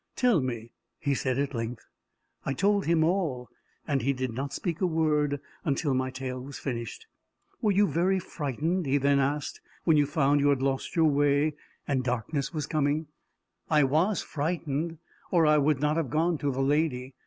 "Tell me," he said at length. I told him all, and he did not speak a word until my tale was finished. "Were you very frightened," he then asked, "when you found you had lost your way, and darkness was coming?" "I was frightened, or I would not have gone to the lady.